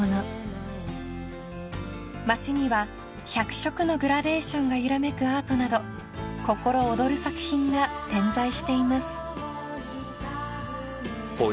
［街には１００色のグラデーションが揺らめくアートなど心躍る作品が点在しています］